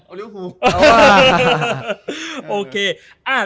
โอรีเวอร์ฟู